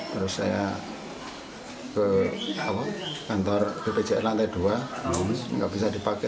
terus saya ke kantor bpjr lantai dua nggak bisa dipakai